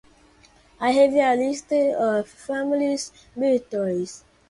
I have a list of my family's birthdays.